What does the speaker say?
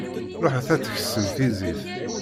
Ruḥet ad teksem tizit.